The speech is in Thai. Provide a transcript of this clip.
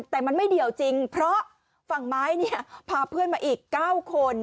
แต่มันไม่เดี่ยวจริงเพราะฝั่งไม้เนี่ยพาเพื่อนมาอีก๙คน